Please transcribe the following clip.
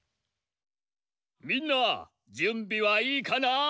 みんなじゅんびはいいかな？